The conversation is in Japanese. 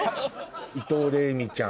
伊藤玲実ちゃん。